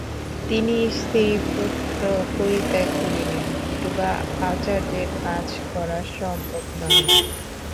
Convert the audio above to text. তিনি স্ত্রী-পুত্র পরিত্যাগ করিলেন, নতুবা আচার্যের কাজ করা সম্ভব নহে।